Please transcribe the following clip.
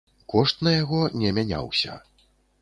Кошт на яго не мяняўся.